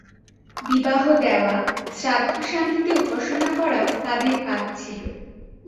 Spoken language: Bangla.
বিবাহ দেওয়া, শ্রাদ্ধ-শান্তিতে উপাসনা করাও তাঁদের কাজ ছিল।